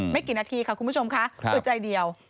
ไม่กี่นาทีค่ะคุณผู้ชมค่ะอึดใจเดียว